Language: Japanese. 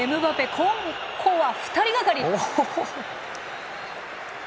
ここは２人がかり！